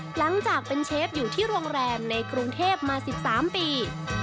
หลังจากเป็นเชฟอยู่ที่โรงแรมในกรุงเทพมา๑๓ปี